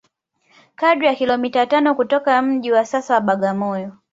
Kadri ya kilomita tano kutoka mji wa sasa wa Bagamoyo